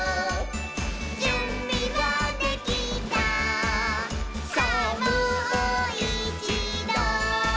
「じゅんびはできたさぁもういちど」